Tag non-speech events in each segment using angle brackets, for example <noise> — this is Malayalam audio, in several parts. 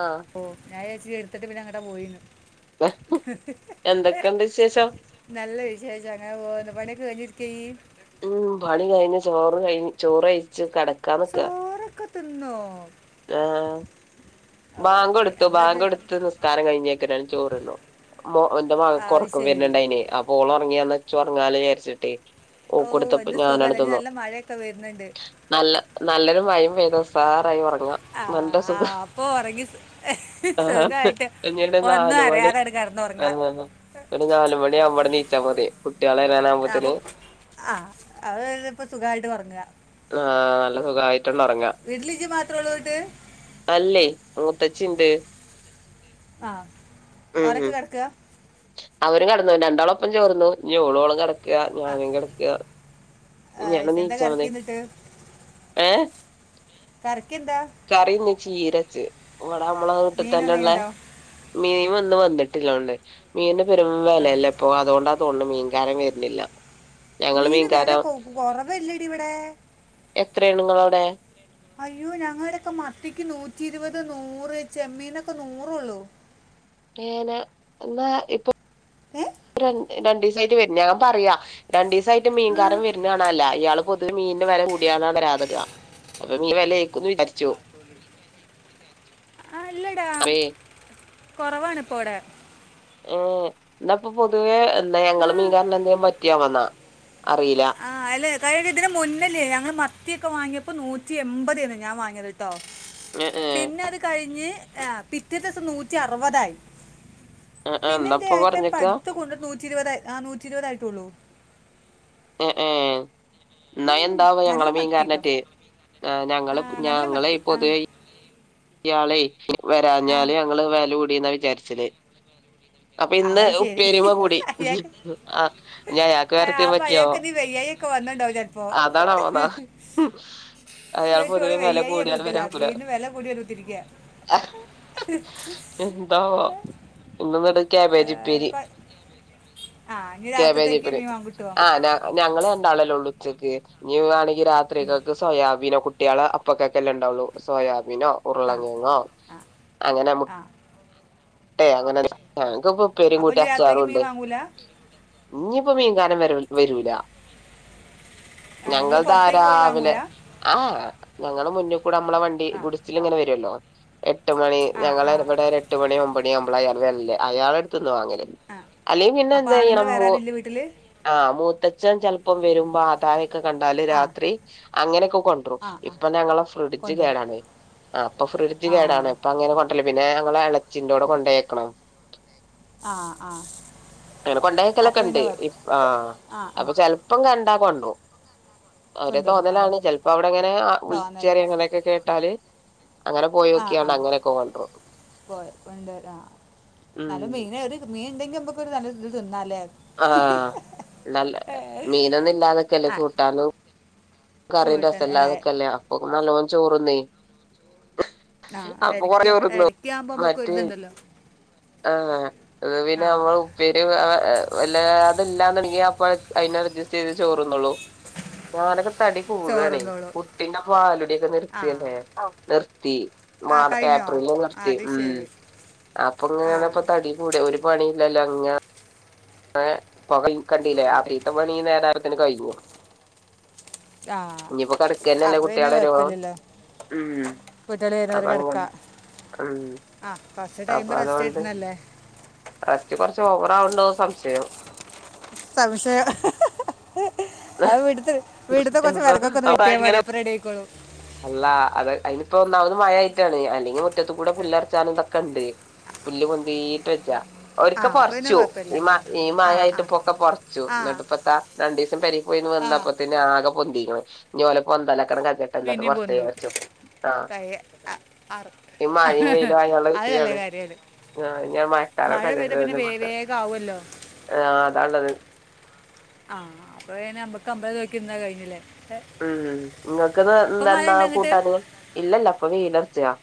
ആഹ് ഹൊ ഞാവിചാരിച്ച് ഇയ്യെട്ത്തിട്ട് പിന്നെങ്ങെട്ടാ പോയീന്ന് എന്തൊക്കെണ്ട് വിശേഷം നല്ല വിശേഷം അങ്ങനെ പോവ്ന്ന് പണിയൊക്കെ കഴിഞ്ഞിരിക്കായ്യ്? മ് പണി കഴിഞ്ഞ് ചോറ് കഴിഞ്ഞ് ചോറെയ്ച്ച് കടക്കാന്ന്ക്കാ ത്‌ന്നോ? ആഹ് വൈ- ബാകൊടുത്തു നമ്മളത് ബാങ്കൊട്ത്ത് നിസ്കാരം കഴിഞ്ഞേക്കെന്നാണ്ട് ചോറ്ന്നു മൊ ഇന്റെ ആ മകക്ക് അത് ഒർക്കം ശരി വെര്ണിണ്ടെയ്നേ അപ്പോ ഓളൊറങ്ങിയാന്നാ ഇച്ചൊർങ്ങാലോചാര്ച്ച്ട്ടെ ഓ ഓക്കൊടുത്തപ്പെ എന്ത് ഞാനാണ്ട് സുഖമല്ല ഇനി തിന്നു നല്ല മഴയൊക്കെ വരുന്നുണ്ട് നല്ല നല്ലൊരു മഴിം പെയ്ത ഉസ്സാറായി ഒറങ്ങാ ആഹ് നല്ല സുഖം ആഹ് ഓ ഒറങ്ങി സു ആഹ് സുഖായിട്ട് ഇഞ്ഞിടെ ഒന്നു നാല് മണി അറിയാതങ്ങട്ട് കടന്നൊറങ്ങാ ആഹ് ഒരു നാല് മണിയാവുമ്പങ്ങട്ട് നീച്ചാ മതിയെ കുട്ട്യാളെരാനാവുമ്പോത്തിന് ആഹ് അഹ് വെരെ പ്പം സുഖായിട്ടൊറങ്ങാ ആഹ് നല്ല സുഖായിട്ടണ്ടൊറങ്ങാ വീട്ടിലിജ് മാത്രൊള്ളൂ ന്ന്ട്ട്? അല്ലെയ് മൂത്തച്ചിണ്ട് ആഹ് ഉം ഓരൊക്കെ ഉം കെടക്കാ? അവരും കടന്നു രണ്ടാളൊപ്പം ചോറ്ന്നു ഇഞ്ഞ് ഓളോള് കട ക്കാ ഞാനും കടക്കാ ആ, ഞ്ഞങ്ങട്ട് എന്താ നീച്ചാ കറക്കി മതി എന്നിട്ട് ഏഹ് കറിക്കെന്താ? കറി ഇന്ന് ചീരച്ച് ഇവ്ടമ്മെളെ മീനൊന്നും വീട്ട്തന്നെള്ളേ ഉണ്ടോ മീൻ ഇന്ന് വന്നിട്ടില്ലോണ്ണ് മീന് പെരും വെലല്ലപ്പൊ അതോണ്ട തോ ന്ന്ണ് മീകാരൻ വെര്നില്ല മീന് വെല കൊ കൊറവല്ലടിവടെ? എത്രെണ്ങ്ങെളവ്ടെ? അയ്യോ ഞങ്ങടൊക്കെ മത്തിക്ക് നൂറ്റിരുപത്, നൂറ്, ചെമ്മീനൊക്കെ നൂറൊള്ളൂ ഏഹേ ന ഇന്നാ ഇപ്പൊ ഏ രണ്ട് രണ്ടീസായിട്ട് വര്ണ് ഞാ പറയാ രണ്ടീസായിട്ട് ആ, മീകാരം വെര്നാണാല്ല അയാള് പൊതുവെ മീനിന് വെല കൂടിയാലാണ് വരാതെ വെരാ അപ്പൊ മീന് വെലേക്കുന്ന് വിചാരിച്ചു ആഹ് അല്ലെടാ അപ്പേ കൊറവാണ്പ്പൊവടെ ഏഹേ ഇന്നപ്പൊ പൊതുവെ എന്താ ആ, ഞങ്ങളെ മീൻകാരന് എന്തേം പറ്റിയാവെന്നാ അറീല ആഹ് അല്ലേ കഴിഞ്ഞ ഇതിന് മുന്നല്ലേ ഞങ്ങള് മത്തിയൊക്കെ വാങ്ങിയപ്പോ നൂറ്റി എമ്പതേനു ഞാൻ വാങ്ങിയത്ട്ടോ ഏഹ് ഏഹ് പിന്നെ അത് കഴിഞ്ഞ് ആഹ് പിറ്റേത്ത്സം നൂറ്റി അറുപതായി ആ ആ പിന്നെന്റെ ഇന്നപ്പൊ ഏട്ടൻ കൊറഞ്ഞക്കാ പ്ടുത് കൊണ്ട് നൂറ്റി ഇരുപത ആഹ് നൂറ്റിരുപതായിട്ടുള്ളൂ. ഏ ഏ എന്നാ ഉം, എന്താവൊ നല്ല ഞങ്ങളെ മീൻ മത്തി കേട്ടോ കാരനറ്റി ആ, ഞങ്ങള് നല്ല ഞങ്ങള് മത്തി ആ പൊതുവേ. ഇയാളെ ആഹ് വരാഞ്ഞാല് ഞങ്ങള് വെല കൂടിന വിചാരിച്ചല്. അപ്പൊ ഇന്ന് ആയ്ശരി ഉപ്പേരിമ്മെ കൂടി അയാക്ക് ആഹ് ഇഞ്ഞ് അയാക്ക് വേറെ എത്തേം പറ്റിയാവോ ആഹ്അപ്പയാക്കെന്തേലും വയ്യാ. ഒക്കെ വന്ണ്ടാവും ചെലപ്പോ. അതാണാവോന്നാ അയാള് പൊതുവെ ന്ന്ട്ടോല് വെല വയ്യായൊന്നും കൂടിയാലും വിട്ടില വരാക്കൂല മീൻ ന് വെലകൂടിത്തിരക്ക. എന്താ ഇന്ന് ബട കേബേജ്പ്പേരി. ആ ഇനി രാത്രിത്തേക്ക് കേബേജ്പേരി മീൻ വാങ്ങിട്ടുവോ ആഹ് ഞങ്ങൾ രണ്ടാളല്ലേള്ളൂ ഉച്ചക്ക് നീ വാണെങ്കി ഉം. രാത്രികക്ക് സോയാബീനോ കു കുട്ട്യേള് അപ്പൊക്കൊക്കെല്ല ണ്ടാവുള്ളു സോയാബീനോ ആ ഉർളങ്കേങ്ങോ ആ അങ്ങനെ. ആ ഏ അങ്ങനെ ഞങ്ങക്കിപ്പ പ്പേരും കൂട്ടി അച്ചാറുണ്ട്. ക്കൂലാ. ഞ്ഞിപ്പോ മീൻകാരം വരൂല. നിങ്ങൾ ഞങ്ങൾതാ പുറത്തേക്ക് പോയി വാങ്ങൂല രാവിലെ. ആഹ് ഞങ്ങള് മുന്നികൂടെ നമ്മളെ വണ്ടി ആ ഗുട്സിൽങ്ങനെ വരുല്ലോ. എട്ട് മണി ആ ആ ഞങ്ങളെവിടെ ഒരു എട്ട് മണി ഒമ്പണി അമുമ്പളയാള് വരല് അയാളടുത്ത്ന്ന വാങ്ങല്. അല്ലെപിന്നെ എന്തിയണം. വേറാരുല്ലേ വീട്ടില്. ആഹ് മൂത്തച്ഛൻ ചിലപ്പം വരുമ്പോ അതായ. കണ്ടാല് ആ രാത്രി അങ്ങനെക്കെ കൊന്റും ആ ആ ഇപ്പൊ ഞങ്ങളെ ഫ്രിഡ്ജ് കൊണ്ടുവരും കേടാണ്. ആ്പ്പൊ ഫ്രിഡ്ജ് ആ കേടാണ് ഇപ്പൊ അങ്ങനെ കൊന്റല്ല പിന്നെ ഞങ്ങളെ അളച്ചിന്റെോടെ കൊണ്ടേക്കണം. ആഹ് ആഹ് ലൊക്കെണ്ട് ഇ ആ അപ്പൊ ചെലപ്പം കണ്ടാകൊന്റും. അവരെ കൊണ്ടുവരും ആ തോന്നലാണ് ചെലപ്പോ അവിടെങ്ങനെ തോന്നൽ വിളിച്ചറി അങ്ങനെക്കെ കേട്ടാല്. അങ്ങനെ ആഹ് പോയോക്കിയാണ് ആഹ് അങ്ങനെയൊക്കെ കൊണ്ടരും പോൺണ്ട് ആഹ് ഉം നല്ല മീന. മീണ്ടെങ്കിമക് നല്ല ഒര്ത് തിന്നാലേ. ആഹ് നല്ല മീനൊന്നും ഇല്ലാതക്കല്ലേ ആ കൂട്ടാനും. കറീം കൂട്ടൻ അല്ല രസല്ലാതൊക്കെല്ലേ അപ്പൊ നല്ലോം ചോറ്ന്നെയ്. ആ അപ്പൊ കൊറേ ഇടയ്ക്ക് ചോറ്ന്നും ഇടയ്ക്ക് ആകുമ്പോൾ നമുക്ക് ഒരു മറ്റേ. ഇതുണ്ടല്ലോ ആഹ് അത് പിന്നെ ആ നമ്മള്. പേര് വല്ലാതല്ലാന്ണ്ടെങ്കി അപ്പ അയിനഡ്ജസ്റ്റ് ചെയ്ത് ചോറുന്നോളും. <unintelligible> തടി കൂട്ണ് ചോറുന്നോളൂ കുട്ടിന്റെ പാലുടിഎക്കെ ആ നിർത്തിയല്ലേ നിർത്തി. ആ മാ കഴിഞ്ഞോ ഏപ്രില് ആ നിർത്തി അത് ഉം ശരി ആ അപ്പൊങ്ങനപ്പ തടി. കൂടെ ഒരു പണി ഇല്ലല്ലോ അങ്ങ. പകം കണ്ടില്ലേ ആഹ് പിത്ത പണി ഈ നേരായപ്പത്തിന് കഴിഞ്ഞു. ആ നിപ്പോ കടക്കന്നല്ലേ അപ്പോൾ പിന്നെ കുട്ടികള് വെരോളം. കുഴപ്പമില്ലല്ലോ ഉം കുട്ടികൾ വരുന്നവർ അതെന്നെ കിടക്കാം ഉം. <unintelligible> അപ്പൊ റെസ്റ്റ് അതോണ്ട് കിട്ടുന്നല്ലേ ലാസ്റ്റ് കുറച്ച് ഓവറാവണ്ടോ സംശയം. സംശയം അത് വീട്ടത്തെ കൊറച്ച് വിറ കൊക്കെ ഒന്ന് വെട്ടിയാ മതി അപ്പൊ റെഡി ആയിക്കോളു. അള്ളാ അത് അയിനിപ്പ ഒന്നാമത് മയായിട്ടാണ് അല്ലെങ്കി മുറ്റത്കൂടെ പുല്റച്ചാനും ഇതൊക്കെണ്ട്. പുല്ല് പൊന്തിട്ടെജാ. ആ ഒരിക്കെ അപ്പം പിന്നെ കൊറച്ചു കുഴപ്പമില്ല ഈ ആ ആ മഴായിട്ട് പ്പൊക്കെ കൊറച്ചു ആ ന്നിട്ട്പ്പത്താ. രണ്ടിസം പെരിക്കോയിന്ന് ആ വന്നപ്പോ തന്നെ ആകെ പൊന്തിക്കണ് ഞ്ഞിഓല പൊന്താലക്കണ് <unintelligible> പിന്നെയും പൊന്തു <unintelligible> ആഹ് കൈ അ- അറ ഈ മഴീം വെയിലും ആയാള്ള അത് നല്ല സ്ഥിതിയാണ്. കാര്യമാണ് ആഹ് ഞ്ഞി മഴ മയക്കാലൊക്കെ പെയ്ത കയിട്ടെ പിന്നെ ഇന്നിട്ട് വേ മാറ്റ വേഗം ആവുമല്ലോ ആ അതാല്ലത്. ആഹ് അപ്പൊപിന്നെ അബക്ക അമ്പത് രൂപക്ക് നിന്ന കഴിഞ്ഞില്ലേ ഏ, ഉം നിങ്ങൾക്ക്ന്ന് ഇപ്പം മഴ എന്തന്താ ഉണ്ട് അങ്ങോട്ട് കൂട്ടാന് ഇല്ലഅല്ല അപ്പൊ വെയിലൊറച്ചയാ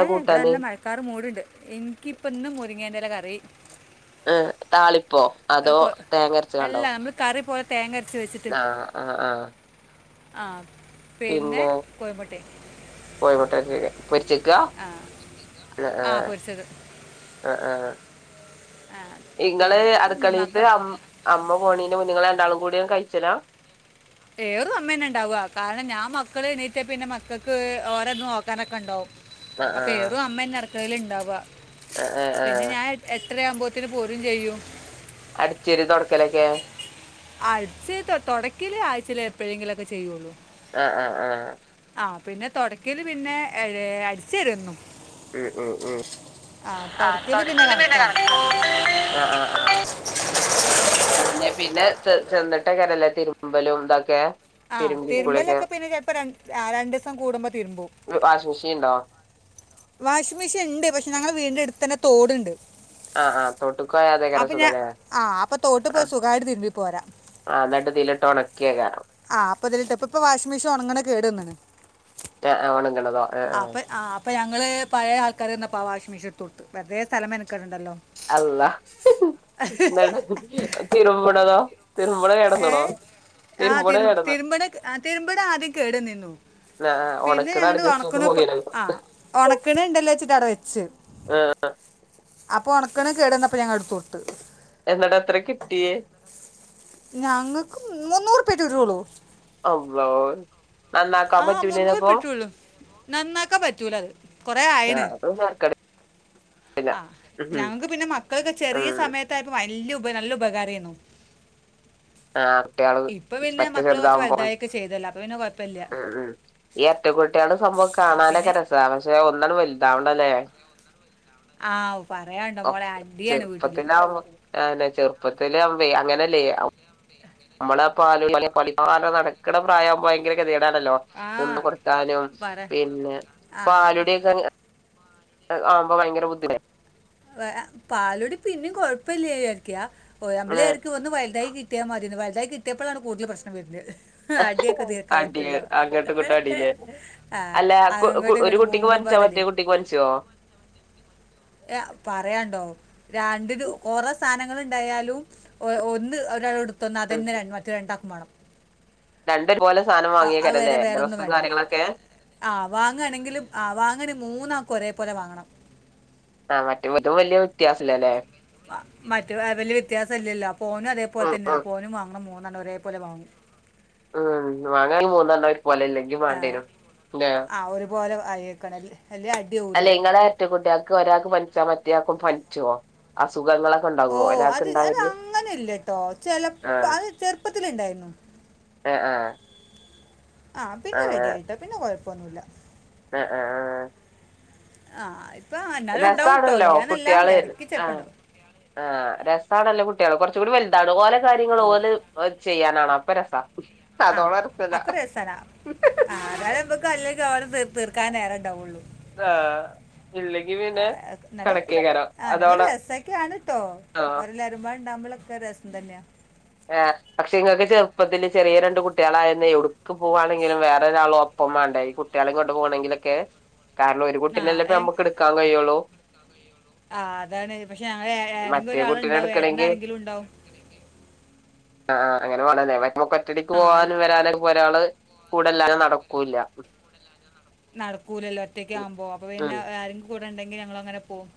ഏഹ് ഇവിടെ നല്ല മഴക്കാറ് മൂടിണ്ട് ഇനിക്കിപ്പ ഇന്ന് മുരിങ്ങേന്റയില കറി ഏഹ് താളിപ്പോ അത് അതോ കൊ തേങ്ങ അരച്ച്ങ്ങാണ്ടോ അല്ലാ നമ്മള് കറി പോലെ തേങ്ങ അരച്ച് വെച്ചിട്ട് ആഹ് ആഹ് ആഹ് ആഹ് പിന്നെ കോയിമുട്ടെയും കോയിമുട്ട ആഹ് ശെരി പൊരിച്ചേക്കാ മ് ആ ആഹ് പൊരിച്ചത് ആഹ് ആഹ് ആ ഇങ്ങള് പിന്നെ മ- അടുക്കളീത്ത് മക്ക അമ്മ പോണീന് മുന്നെ ഇങ്ങള് രണ്ടാളും കൂടി കഴിച്ചലാ എറും അമ്മന്നെ ഉണ്ടാവുവ കാരണം ഞാൻ മക്കള് എണീറ്റെ പിന്നെ മക്കൾക്ക് ഓരെ ഇത് നോക്കാനൊക്കെ ഒണ്ടാവും ആഹ് അപ്പൊ ആഹ് എറും അമ്മന്നെ അട്ക്കളയില് ഇണ്ടാവ ആഹ് ആഹ് പിന്നെ ആഹ് ഞാൻ എട്ടര ആവുമ്പോഴത്തിന് പോരും ചെയ്യും അടിചേരി തൊടക്കലൊക്കെ അടിച്ചേരി തൊ തൊടക്കില് ആഴ്ചൽേ എപ്പോഴെങ്കിലൊക്കെ ചെയ്യുള്ളൂ ആഹ് ആഹ് ആഹ് ആ പിന്നെ തുടക്കല് പിന്നെ ഏഴ് അടിച്ചാരും എന്നും ഉം ഉം ഉം ആഹ് തുടക്കിൽ തൊടയ്ക്കല് പിന്നെ കണക്കാണ് കണക്ക അതന്നെ പിന്നെ ത് ചെന്നിട്ടക്കാരല്ലേ തിരുമ്പലും ഇതൊക്കെ ആഹ് തിരുമ്പി കുളിയൊക്കെ തിരുമ്പലൊക്കെ പിന്നെ ചിലപ്പോ ര രണ്ടീസം കൂടുമ്പോ തിരുമ്പും വാഷിഗ്‌മിഷീൻ ഇണ്ടോ വാഷിംഗ് മെഷീൻ ഇണ്ട് പക്ഷെ ഞങ്ങളെ വീടിന്റെ അടുത്ത് തന്നെ തോടുണ്ട് ആഹ് ആഹ് തോട്ട്ക്ക് പോയ അതേക്കാരം അപ്പം ഞാൻ സുഖല്ലെ ആ അപ്പം തോട്ട് പോയി ആഹ് സുഖമായിട്ട് തിരുമ്പി പോരാം ആഹ് ഇന്നിട്ട് ഇതിലിട്ട് ഉണക്കി ഏക്കാരം ആഹ് അപ്പ ഇതിലിട്ട് ഇപ്പപ്പോ വാഷിമെഷൻ ഒണങ്ങ്ണെ കേട് വന്നിക്ക്ണ് ആഹ് ഒണങ്ങണതോ ആഹ് അപ്പ ആ അപ്പ ഞങ്ങള് പഴേ ആൾക്കാര് വന്നപ്പോ ആഹ് വാഷിംഗ് മെഷീൻ എടുത്ത് കൊടുത്ത് വെറുതെ സ്ഥലം മെനക്കെടണ്ടല്ലോ അള്ളാ എന്നട്ട് തിരുമ്പണതോ തിരുമ്പണ കേടന്ന്ണോ ആഹ് തിരു തിരുമ്പണ ആഹ് തിരുമ്പ്ണ ആദ്യം കേട് വന്നിന്നു ആ പിന്നെ ഒണക്ക്ണ ഞങ്ങള് അഡ്ജസ്റ്റ് ചെയ്ത് ഒണക്കാണോപ് പോകേനു ആ ഒണക്കിണ് ഇണ്ടില്ലോ വെച്ചിട്ട് അവടെ വെച്ച് ആഹ് അപ്പൊ ഒണക്ക്ണ കേടന്നപ്പോ ഞങ്ങൾ എടുത്തൊടുത്ത് എന്നിട്ട് എത്ര കിട്ടിയേ ഞങ്ങൾക്ക് മുന്നൂറുപ്പിയെറ്റെ കിട്ടീട്ടൊള്ളൂ അള്ളോ നന്നാക്കാൻ ആ പറ്റൂല്ലേന്ന് മുന്നൂറ് അപ്പൊ പിട്ടുള്ളൂ നന്നാക്കാൻ പറ്റൂല അത് കുറേ ആഹ് അപ്പൊ പിന്നെ തെരക്കേടില്ല ആഹ് ഞങ്ങൾക്ക് പിന്നെ മക്കൾ ഒക്കെ ഉം ചെറിയ സമയത്ത് തായിപ്പോ വല്യ ഉപ നല്ല ഉപകാരേന്നു ആ കുട്ട്യാള് ഇപ്പ പിന്നെ പറ്റെ മക്കള് കൊറച്ച് ചെറുതാവുമ്പോ വലുതായി ഒക്കെ ചെയ്തല്ലോ അപ്പൊ പിന്നെ കൊഴപ്പില്ല ഉം ഉം ഈ എരട്ടക്കുട്ട്യാള് സംഭവം കാണാനൊക്കെ രസാ പക്ഷെ ഒന്നണ്ട് വൽതാവണ്ടെല്ലേ ആ പറയാണ്ടോ മോളെ ഒക്ക് അടിയാണ് വീട്ടിൽ ചെറുപ്പത്തിലാമ്പൊ ആഹ് തന്നെ ചെറുപ്പത്തിലാമ്പേ അങ്ങനല്ലേ ഇമ്മള് ആ പാൽ <unintelligible> നടക്കണ പ്രായം ആമ്പോ ഭയങ്കര ഗതിേ കേടാണല്ലോ ആ നിന്ന് കൊടുത്താലും പറ പിന്നെ ആ പാലുകുടിക്കെ ആണെ ആമ്പോ ഭയങ്കര ബുദ്ധിമുട്ട് ല്ലേ അതെ പാലുടി പിന്നെയും കൊഴപ്പല്ല്യ വിചാരിക്കാ ഓ നമ്മളെവിയരിക്കും ഒന്ന് വൽതായി കിട്ടിമതിന്ന് വൽതായി കിട്ടിയപ്പളാണ് കൂടുതൽ പ്രശ്നം വരുന്നത് അടിയൊക്കെ അടി തീർക്കാത്തുള്ളവ അങ്ങോട്ടും ഇങ്ങോട്ടും അടില്ലേ ആഹ് അല്ല അതങ്ങോട്ടും ഒരു ഇങ്ങോട്ട് കുട്ടിക്ക് മൂന്നും പനിച്ചാ പാട അടിയ <unintelligible> ഏഹ് പറയാണ്ടോ രാണ്ടിനും കൊറെ സാനങ്ങള് ഇണ്ടായാലും ഓ ഒന്ന് ഒരാളെ ത്തോന്ന് അതന്നേ ര മറ്റേ രണ്ടാക്കും മാണം. രണ്ടൊരുപോലെ സാനം വാങ്ങേക്കാരല്ലേ വേറെ ഒന്നും ഡ്രസ്സും വേണ്ടില്ല കാര്യങ്ങളൊക്കെ? ആ വാങാണെങ്കില് ആ വാങ്ങാണേ മൂന്നാക്കും ഒരേ പോലെ വാങ്ങണം. ആഹ് മറ്റേ മറ്റോൻ വല്ല്യേ വ്യത്യാസല്ലാല്ലേ? ആഹ് മറ്റേ വല്ല്യ വ്യത്യാസംല്ലല്ലോ അപ്പോനും ഉം അതേപോലെതന്നേണ് ഉം അപ്പോനും വാങ്ങണം മൂന്നെണ്ണം ഒരേപോലെ വാങ്ങും. ഉം വാങ്ങാണെങ്കി മൂന്നെണ്ണം ഒരു പോലെന്നേ. ആഹ്, ആ ഒരുപോലെ വാങ്ങിയേക്കണല്ലേ അല്ലേ അടിയാവുല്ലേ? ര്ട്ട കുട്ടികൾക്ക് ഒരാക്ക് പനിച്ചാ മറ്റയാക്കും പനിച്ചോ? അസുഖങ്ങ ഓഹ്, അത് അത് അങ്ങനെല്ലട്ടോ ചെലപ്പൊ അത് ചെറുപ്പത്തില്ണ്ടായിര്ന്നു. അ ആഹ്. ആഹ് പിന്നെ റെഡിയായിട്ടോ പിന്നെ കൊഴപ്പൊന്നുല്ല. ആ ആഹ്. ആഹ് ആഹ് ഇപ്പൊ എന്നാലും ഉണ്ടാവൂട്ടൊ. രസാണല്ലോ ഇല്ലാന്നല്ല കുട്ട്യാള് എടക്ക് ആഹ് ചെലപ്പണ്ടാവും. ആഹ് രസാണല്ലോ കുട്ടിയേള്. കൊറച്ചും കൂടി വൽതാണം. ഓലെ കാര്യങ്ങള് ഓ ഓലെ ഓൽ ചെയ്യാനാവണം അപ്പരസാ അതോളം രസല്ല. ആഹ് അതായത് മ്മക്ക് തല്ലൊക്കെ അവടെ തീർ തീർക്കാനെ നേരെണ്ടാവൊള്ളു. ആഹ്. ഇല്ലെങ്കി പിന്നെ ആഹ് നല്ല കണക്കേക്കാരം ആ നല്ല അതോളം രസക്കാണ് ട്ടോ ആഹ് ഓരല്ലാരും ണ്ടാവുമ്പളൊക്കെ രസം തന്നെ ആഹ്, പക്ഷെ ഇങ്ങക്ക് ചെറുപ്പത്തില് ചെറിയേ രണ്ട് കുട്ടി ളായന്ന് എവ്ട്ക്ക് പോവാണെങ്കിലും വേറൊരാളോ ഒപ്പം വാണ്ടേ ഈ കുട്ടിയേളീം കൊണ്ട് പോണെങ്കിലൊക്കെ? <inaudible> കാരണം ഒരു ആ കുട്ടിനെല്ലേപ്പൊ ഏ- ഞമ്മക്ക് ഇട്ക്കാൻ കഴിയൊള്ളൂ? ആ അതാണ് പക്ഷെ ആ മറ്റേ കുട്ടിനെ ആരെങ്കിരാള്ണ്ടാവും എടുക്കണെങ്കി ഏട്ടനാരെങ്കിലും ഇണ്ടാവും. അ ആഹ് അങ്ങനെ വാണല്ലേ മ്മക്ക് ഒറ്റടിക്ക് ആ ല- പോവാനും വരാനൊക്കെ പ്പൊരാള് കൂടെല്ലാതെ നടക്കൂല്ല. നടക്കൂലല്ലോ ഉം ഒറ്റയ്ക്കാവുമ്പോ? അപ്പൊ ഉം പിന്നെ ആരെങ്കി കൂടെണ്ടെങ്കി ഞങ്ങളങ്ങനെ പോകും.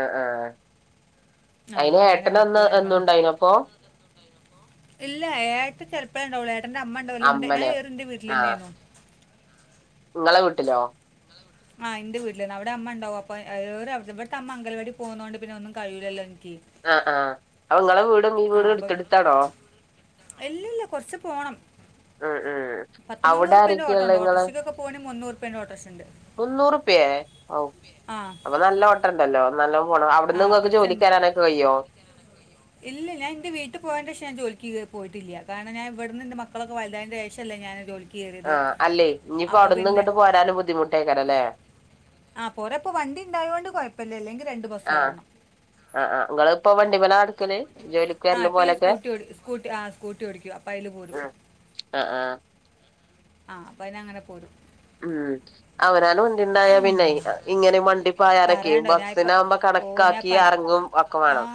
ആ ആഹ്. ആ അയ്ന് അങ്ങനെ ഏട്ടനന്ന് നിൽക്കും ഞങ്ങൾ എന്നുണ്ടായിനപ്പൊ? ഇല്ല ഏട്ട ചെലപ്പയേ ണ്ടാവൊള്ളൂ. ഏട്ടൻന്റെ അമ്മണ്ടാവല്ണ്ട്. ഞാൻ അമ്മനെ ഏറും ന്റെ വീട്ടിലെന്നേന്നു. ഇങ്ങള വീട്ടിലോ? ആഹ് എന്റെ വീട്ടില്ന്ന് അവിടെ അമ്മ ഉണ്ടാകും <unintelligible> ഇവിട്ത്തെ അമ്മ അംഗൽവാടി പോവുന്നോണ്ട് പിന്നെ ഒന്നും കഴിലല്ലോ ഇൻക്കി. ആ ആഹ് അപ്പൊ ഇങ്ങളെ വീടും ഈ വീടും എടുത്ത്ടുത്താണോ? ഇല്ലല്ല കൊറച്ച്പോണം. ഉം ഉം പത്ത് അവിടെ മുന്നൂറുപ്പിയേന്റെ ആരൊക്കെയാള്ളെ ഓട്ടോണ്ട്. ഇങ്ങള് ഓട്ടോർഷക്കൊക്കെ പോകാണി മുന്നൂറുപ്പിയെന്റെ ഓട്ടോർഷണ്ട്. മുന്നൂറുപ്പിയെ? ഔ അപ്പൊ നല്ല രണ്ടല്ലോ നല്ലോ പോണം. ആ അവ്ടുന്ന് ഇങ്ങക്ക് കുറച്ചുണ്ട് ജോലിക്കരാനൊക്കെ കയ്യോ? ഇല്ല ഞാന്റെ വീട്ടി പോയെന്റെഷം ഞാൻ ജോലിക്ക് കേ പോയിട്ടില്ല. കാരണം ഞാൻ ഇവിടുന്ന് ഇന്റെ മക്കളൊക്കെ വൽതായേന്റെ ശേഷല്ലേ ഞാന് ജോ ആഹ് അല്ലേയ് ഇനിപ്പോ അവിട്ന്ന്ങ്ങ്ട്ട് പോരാനും ബുദ്ധിമുട്ടേക്കാരല്ലേ? ആഹ് പോരാപ്പോ വണ്ടിണ്ടായോണ്ട് കൊഴപ്പല്ല. അല്ലെങ്കി രണ്ട് ബസ്സ് കേറണം. ആ ആഹ് ഇങ്ങളിപ്പൊ വണ്ടിമ്മലാ നടക്കല് ജോലിക്ക് ആ വരലും ഇപ്പൊ ഞാൻ പോവലൊക്കെ സ്കൂട്ടി ഓടിക്കും. സ്കൂട്ടി ആ സ്കൂട്ടി ഓടിക്കും. അപ്പയില് പോരും. അ ആഹ്. ആഹ് അപ്പയിലങ്ങനെ പോരും. ഉം അവനാന് വണ്ടിണ്ടായ പിന്നെയ് ഇങ്ങനെ ണ്ടിപ്പായാനൊക്കെ പറയാണ്ടോ ഞാൻ ഇപ്പം ബസ്സിനാകുമ്പോ ഓ ഞാൻ കണക്കാക്കി ഇപ്പം അടുത്ത എറങ്ങും ഒക്കെ ആ വാണം.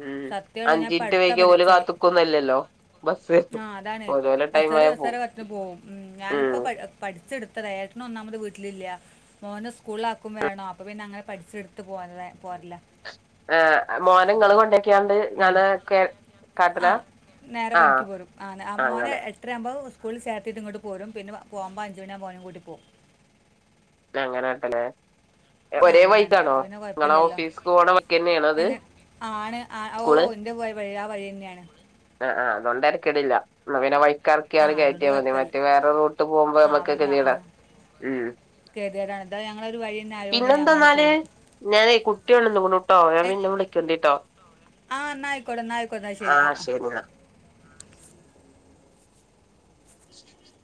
ഉം സത്യമാടോ ഞാൻ അഞ്ചിൻറ്റ് വൈകിയ ഓല് കാത്ത്ക്കൊന്നുല്ലല്ലോ ബസ് ആഹ് അതാണ്. ഓലോലെ ബസ്സാര് ടൈമായ ബസ്സാരെ പോവും പാട്ടിന് പോകും. ഉം ഞാനിപ്പോ ഉം പഠി പഠിച്ചെട്ത്തത് ഏട്ടനൊന്നാമത് വീട്ടിലില്ല മോനെ സ്കൂളിലാക്കുംവേണം അപ്പോപിന്നെ അങ്ങനെപഠിച്ചെട്ത്ത് പോര്ല് പോരല ആഹ് മോനെങ്ങൾകൊണ്ടേ റ്റിയാണ്ട് ഉം. ഞാന് കേ കാട്ടല ആ ആഹ് അങ്ങനെ ത്രര യാകുമ്പോ ഉസ്കുളിൽ ചേർത്തിട്ട് ഇങ്ങട്ട് പോരും പിന്നെപോക്മ്പോ അഞ്ച് മണിയകുമ്പോ ഓനിംകൂട്ടിപോവും ന്ന അങ്ങനാക്കലെ ആഹ് അങ്ങനെഅപ്പൊപിന്നെ കൊഴപ്പല്ലല്ലോ ഓഫീസ്ക്ക് പോണ വഴിക്കെന്നേണോ അത് എങ്ങ ആണ് അ ഓ സ്കൂള് ന്റെ വയ്യാവയ്യെന്നെണ്. ആഹ് ആഹ് അതോണ്ടെര്ക്കടില്ല. ന്നാ പിന്നെ ആ വൈക്കർക്കിയാണ്ട് അതുകൊണ്ട് കേറ്റിയാമതി കുഴപ്പമില്ല മറ്റേ വേറെ റൂട്ട് പോകുമ്പോ അമ്മക്ക് കെതിയേട ഉം ക്കെഗരായ എന്തായാ ഞങ്ങളൊരു വയിയെന്നെ ആയോണ്ട് ഞങ്ങാളട്പോരും. ഞാന് കുട്ടി ഒണന്ന്ക്കുണുട്ടോ ഞാൻ പിന്നെ വിളിക്കെണ്ടിട്ടോ. ആഹ് ന്നയ്ക്കോട്ടേ ന്നയ്ക്കോട്ടേ ന്നശെരി ആഹ് ശെരിന്നാ. <inaudible>